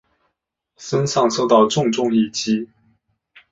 身上受到重重一击